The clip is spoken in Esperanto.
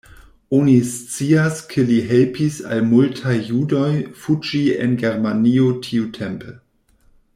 Oni scias ke li helpis al multaj judoj fuĝi el Germanio tiutempe.